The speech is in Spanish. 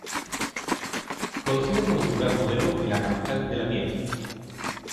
Conocida como Ciudad Modelo y La capital de la Miel.